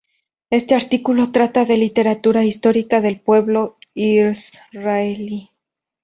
Este artículo trata la literatura histórica del pueblo israelí.